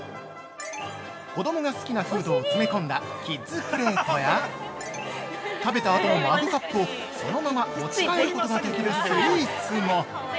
子供が好きなフードを詰め込んだキッズプレートや、食べたあとのマグカップをそのまま持ち帰ることができるスイーツも！